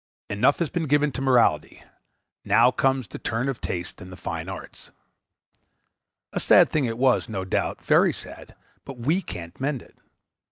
Enough has been given to morality; now comes the turn of Taste and the Fine Arts. A sad thing it was, no doubt, very sad; but we can't mend it.